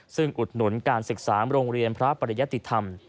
ซึ่งอุดหนุนการศึกษาโรงเรียนพระปริยติธรรม